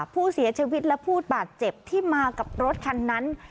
ผู้เสียชีวิตและผู้บาดเจ็บที่มากับรถคันนั้น